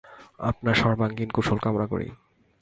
আপনার সর্বাঙ্গীণ কুশল কামনা করি।